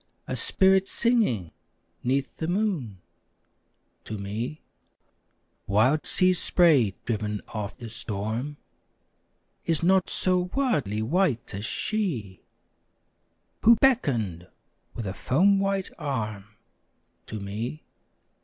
A spirit singing 'neath the moon To me. Wild sea spray driven of the storm Is not so wildly white as she, Who beckoned with a foam white arm To me.